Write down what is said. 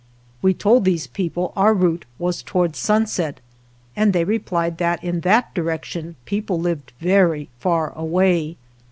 We told these people our route was towards sunset, and they replied that in that direction people lived very far away.